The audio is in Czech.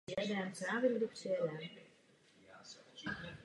V oblasti tropů se řadí mezi invazní druhy.